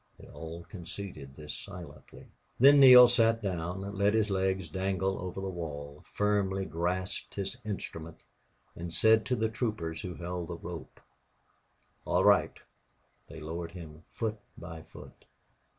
They all conceded this silently. Then Neale sat down, let his legs dangle over the wall, firmly grasped his instrument, and said to the troopers who held the rope, "All right!" They lowered him foot by foot.